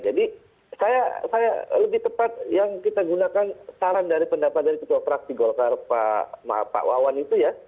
jadi saya lebih tepat yang kita gunakan saran dari pendapat dari ketua praksi golkar pak wawan itu ya